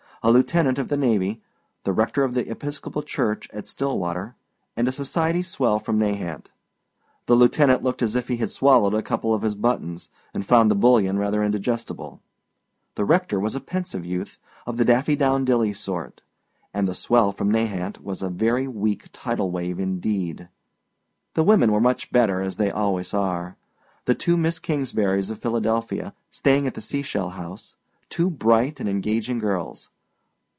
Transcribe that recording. A lieutenant of the navy, the rector of the Episcopal Church at Stillwater, and a society swell from Nahant. The lieutenant looked as if he had swallowed a couple of his buttons, and found the bullion rather indigestible; the rector was a pensive youth, of the daffydowndilly sort; and the swell from Nahant was a very weak tidal wave indeed. The women were much better, as they always are; the two Miss Kingsburys of Philadelphia, staying at the Seashell House, two bright and engaging girls.